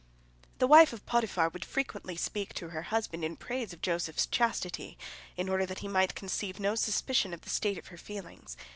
The wife of Potiphar would frequently speak to her husband in praise of Joseph's chastity in order that he might conceive no suspicion of the state of her feelings.